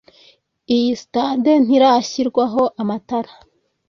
Iyi stade ntirashyirwaho amatara